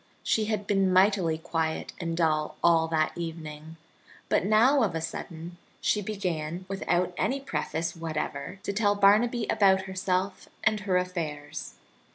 She had been mightily quiet and dull all that evening, but now of a sudden she began, without any preface whatever, to tell Barnaby about herself and her affairs.